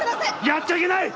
やっちゃいけない！